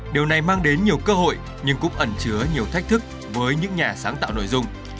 điều này mang đến nhiều cơ hội nhưng cũng ẩn chứa nhiều thách thức với những nhà sáng tạo nội dung